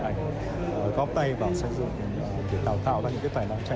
để tạo tạo ra những cái tài năng trẻ